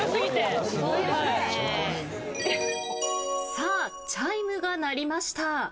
さあチャイムが鳴りました。